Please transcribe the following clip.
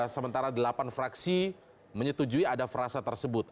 sementara delapan fraksi menyetujui ada frasa tersebut